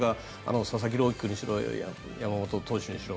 佐々木朗希投手にしろ山本投手にしろ。